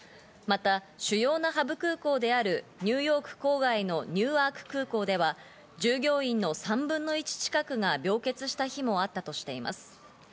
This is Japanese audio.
また主要なハブ空港であるニューヨーク郊外のニューアーク空港では、従業員の３分の１近くが病欠した日もあったとしています。